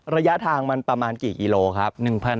ระยะทางมันประมาณกี่กิโลครับ